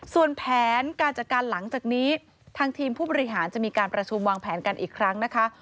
ส่วนแผนการจัดการหลังจากนี้ทางทีมผู้บริหารจะมีการประชุมวางแผนกันอีกครั้งนะคะ